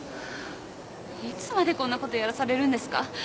いつまでこんなことやらされるんですか？